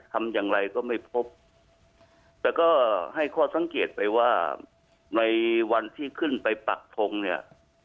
ทำอย่างไรก็ไม่พบแต่ก็ให้ข้อสังเกตไปว่าในวันที่ขึ้นไปปักทงเนี่ย